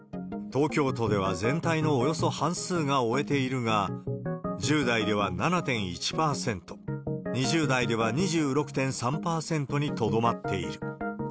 東京都では全体のおよそ半数が終えているが、１０代では７．１％、２０代では２６．３％にとどまっている。